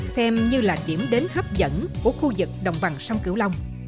xem như là điểm đến hấp dẫn của khu vực đồng bằng sông cửu long